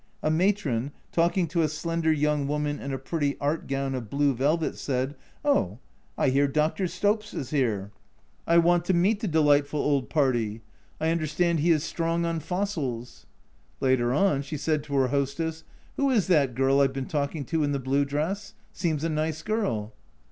A matron, talking to a slender young woman in a pretty art gown of blue velvet, said, " Oh, I hear Dr. Stopes is here. I 96 A Journal from Japan want to meet the delightful old party. I understand he is strong on fossils." Later on she said to her hostess, " Who is that girl I've been talking to, in the blue dress ? seems a nice girl."